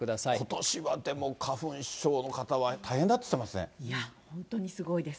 ことしはでも花粉症の方は、いや、本当にすごいです。